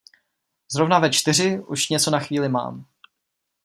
Zrovna ve čtyři už něco na chvíli mám.